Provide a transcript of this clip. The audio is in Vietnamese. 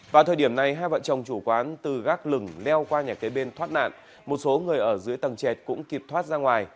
vào thời điểm này hai vợ chồng chủ quán từ gác lửng leo qua nhà kế bên thoát nạn một số người ở dưới tầng chẹt cũng kịp thoát ra ngoài